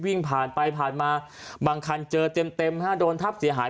วิ่งผ่านไปผ่านมาบางคันเจอเต็มฮะโดนทับเสียหาย